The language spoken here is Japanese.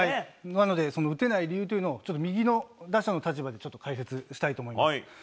なので、打てない理由というのを、ちょっと右の打者の立場でちょっと解説したいと思います。